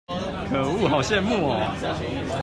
可惡好羨慕喔